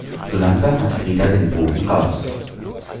So langsam hat Frida den Bogen raus.